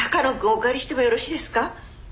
お借りしてもよろしいですか？